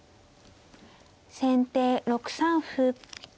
先手６三歩。